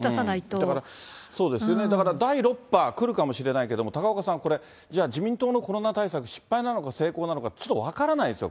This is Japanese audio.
だからそうですよね、だから、第６波来るかもしれないけども、高岡さん、じゃあ自民党のコロナ対策、失敗なのか、成功なのか、ちょっと分からないですよ、